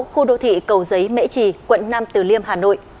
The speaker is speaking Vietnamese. khu đô thị cầu giấy mễ trì quận năm từ liêm hà nội